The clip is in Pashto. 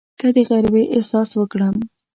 که د غریبۍ احساس وکړم.